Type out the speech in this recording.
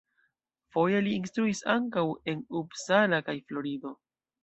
Foje li instruis ankaŭ en Uppsala kaj Florido.